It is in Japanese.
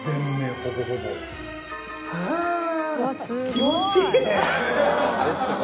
気持ちいい！